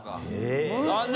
残念。